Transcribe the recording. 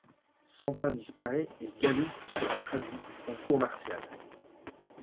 Sentain disparaît et Galoup sera traduit en cour martiale.